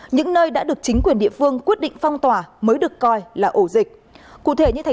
những nơi đã được chính quyền địa phương quyết định phong tỏa mới được coi là ổ dịch